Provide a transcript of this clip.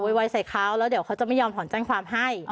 วัยใส่เขาแล้วเดี๋ยวเขาจะไม่ยอมถอนแจ้งความให้